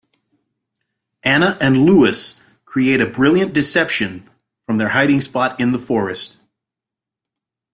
Anna and Louis create a brilliant deception from their hiding spot in the forest.